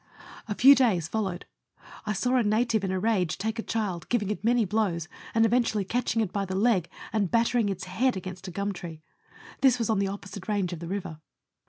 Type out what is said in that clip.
A few days followed. I saw a native in a rage take a child giving it many blows, and eventually catching it by the leg, and battering its head against a gum tree. This was on the opposite range of the river.